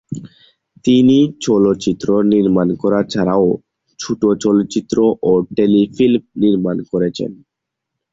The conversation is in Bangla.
তিনি চলচ্চিত্র নির্মাণ করা ছাড়াও ছোট চলচ্চিত্র ও টেলিফিল্ম নির্মাণ করেছেন।